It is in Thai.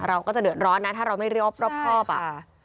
เราก็จะเดือดร้อนนะถ้าเราไม่รอบรอบอ่ะ